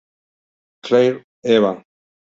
Clare, Eva.